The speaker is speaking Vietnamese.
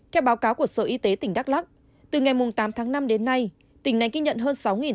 các báo cáo của sở y tế tỉnh đắk lắc từ ngày tám tháng năm đến nay tỉnh này kinh nhận hơn sáu tám trăm linh